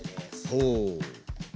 ほう。